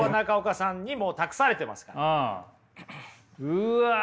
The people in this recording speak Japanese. うわ！